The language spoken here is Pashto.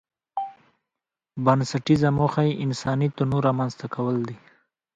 بنسټيزه موخه یې انساني تنوع رامنځته کول دي.